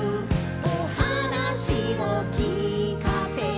「おはなしをきかせて」